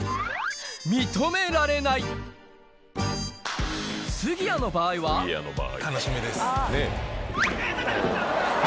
認められない杉谷の場合は楽しみです。